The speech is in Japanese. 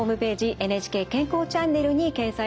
「ＮＨＫ健康チャンネル」に掲載されます。